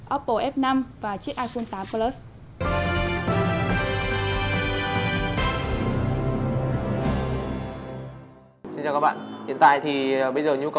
oppo f năm và iphone tám plus